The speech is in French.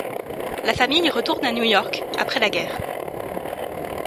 La famille retourne à New York après la guerre.